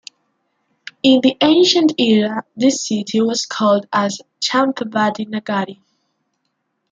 In the ancient era, this city was called as "Champavati nagari".